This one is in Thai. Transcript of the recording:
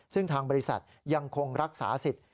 ซึ่งทางบริษัทยังคงรักษาสิทธิ์